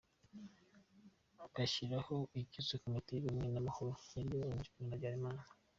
Bashyiraho ikiswe Komite y’ubumwe n’amahoro yari iyobowe na Juvénal Habyalimana.